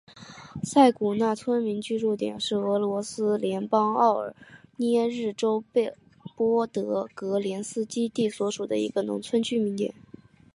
萨古内农村居民点是俄罗斯联邦沃罗涅日州波德戈连斯基区所属的一个农村居民点。